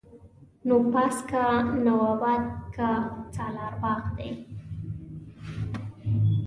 نواپاس، که نواباد که سالار باغ دی